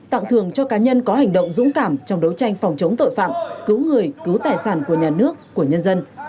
tặng thường cho cá nhân có hành động dũng cảm trong đấu tranh phòng chống tội phạm cứu người cứu tài sản của nhà nước của nhân dân